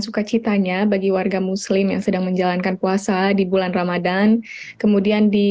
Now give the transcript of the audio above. sukacitanya bagi warga muslim yang sedang menjalankan puasa di bulan ramadhan kemudian di